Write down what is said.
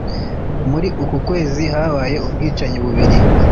muri uku kwezi habaye ubwicanyi bubiri